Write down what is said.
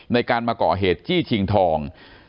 ในการมาก่อเหตุจี้ชิงทอง